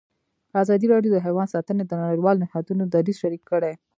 ازادي راډیو د حیوان ساتنه د نړیوالو نهادونو دریځ شریک کړی.